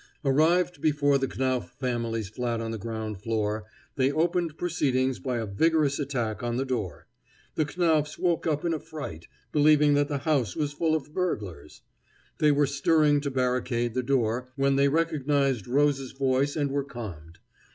Arrived before the Knauff family's flat on the ground floor, they opened proceedings by a vigorous attack on the door. The Knauffs woke up in a fright, believing that the house was full of burglars. They were stirring to barricade the door, when they recognized Rose's voice and were calmed.